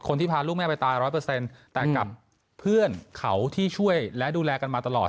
คนที่พาลูกแม่ไปตาย๑๐๐แต่กับเพื่อนเขาที่ช่วยและดูแลกันมาตลอด